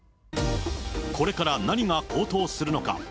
これから何が高騰するのか。